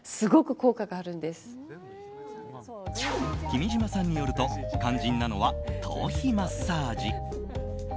君島さんによると肝心なのは頭皮マッサージ。